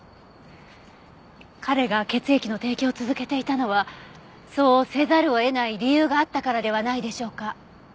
彼が血液の提供を続けていたのはそうせざるを得ない理由があったからではないでしょうか？